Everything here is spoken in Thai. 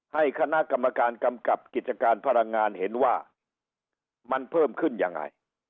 ให้คณะกรรมการกำกับกิจการพลังงานเห็นว่ามันเพิ่มขึ้นยังไง